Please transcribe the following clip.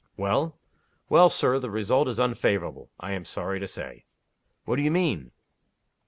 "Well?" "Well, Sir, the result is unfavorable, I am sorry to say." "What do you mean?"